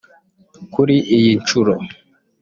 Kuri iyi nshuro